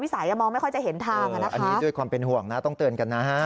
มองไม่ค่อยจะเห็นทางอันนี้ด้วยความเป็นห่วงนะต้องเตือนกันนะฮะ